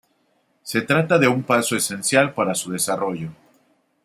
Se trata de un paso esencial para su desarrollo.